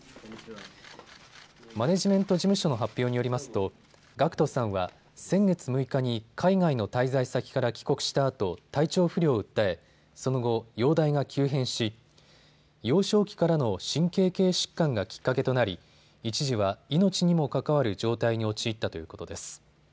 マネジメント事務所の発表によりますとＧＡＣＫＴさんは先月６日に海外の滞在先から帰国したあと体調不良を訴えその後、容体が急変し幼少期からの神経系疾患がきっかけとなり一時は命にも関わる状態に陥ったということです。